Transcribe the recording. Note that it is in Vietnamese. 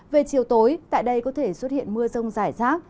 về chiều tối tại đây có thể xuất hiện mưa rông rải rác